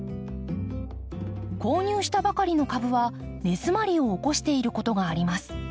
購入したばかりの株は根詰まりを起こしていることがあります。